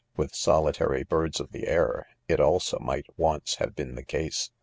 With solitary birds of the air, it also might once have been the case.